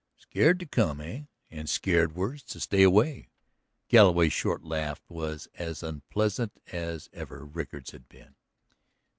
"Scared to come, eh? And scared worse to stay away!" Galloway's short laugh was as unpleasant as ever Rickard's had been.